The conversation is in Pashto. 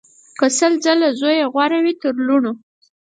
که سل ځله زویه غوره وي تر لوڼو